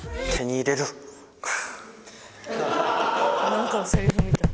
何かのせりふみたい。